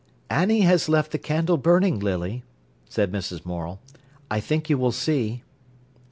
"Annie has left the candle burning, Lily," said Mrs. Morel; "I think you will see."